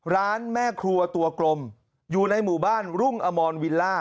แม่ครัวตัวกลมอยู่ในหมู่บ้านรุ่งอมรวิลล่า